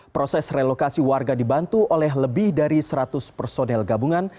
proses relokasi warga dibantu oleh lebih dari seratus personel gabungan